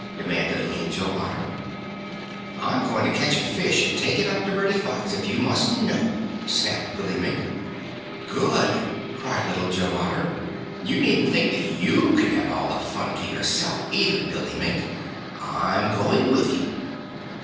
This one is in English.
demanded Little Joe Otter. "I'm going to catch a fish and take it up to Reddy Fox, if you must know!" snapped Billy Mink. "Good!" cried Little Joe Otter. "You needn't think that you can have all the fun to yourself either, Billy Mink. I'm going with you."